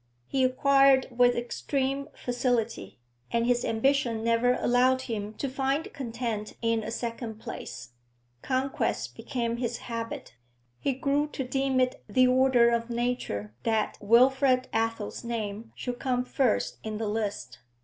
He acquired with extreme facility, and his ambition never allowed him to find content in a second place; conquest became his habit; he grew to deem it the order of nature that Wilfrid Athel's name should come first in the list.